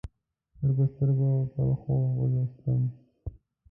سترګو، سترګو پرخو ولوستم